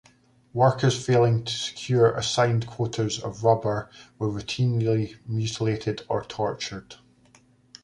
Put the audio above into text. Workers failing to secure assigned quotas of rubber were routinely mutilated or tortured.